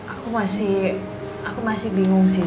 aku masih aku masih bingung sih